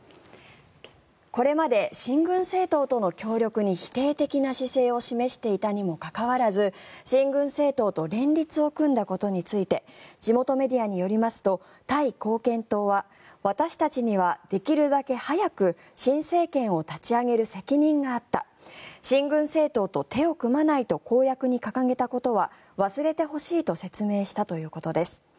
これまで親軍政党との協力に否定的な姿勢を示していたにもかかわらず親軍政党と連立を組んだことについて地元メディアによりますとタイ貢献党は私たちには、できるだけ早く新政権を立ち上げる責任があった親軍政党と手を組まないと公約に掲げたことは忘れてほしいと説明したということです。